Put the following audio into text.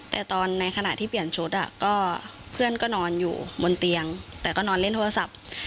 แต่ตอนในขณะที่เปลี่ยนชุดเพื่อนก็นอนอยู่บนเตียงแต่ก็นอนเล่นโทรศัพท์